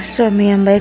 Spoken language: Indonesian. suami yang baik